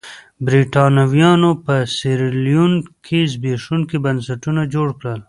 برېټانویانو په سیریلیون کې زبېښونکي بنسټونه جوړ کړل.